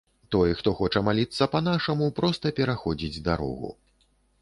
Той, хто хоча маліцца па-нашаму, проста пераходзіць дарогу.